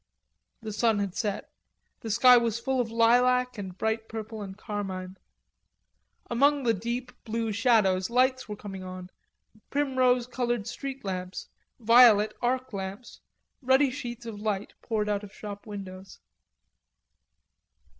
The sun had set. The sky was full of lilac and bright purple and carmine. Among the deep blue shadows lights were coming on, primrose colored street lamps, violet arc lights, ruddy sheets of light poured out of shop windows.